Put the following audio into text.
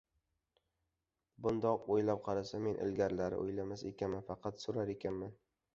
Bundoq o‘ylab qarasam, men ilgarilari o‘ylamas ekanman, faqat so‘rar ekanman.